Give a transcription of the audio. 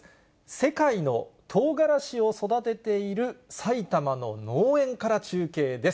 世界のとうがらしを育てているさいたまの農園から中継です。